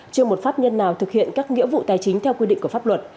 chưa một pháp nhân nào thực hiện các nghĩa vụ tài chính theo quy định của pháp luật